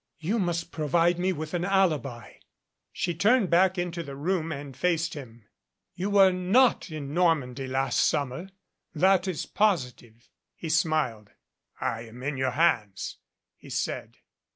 You must provide me with an alibi." She turned back into the room and faced him. "You were not in Normandy last summer that is positive." He smiled. "I am in your hands," he said.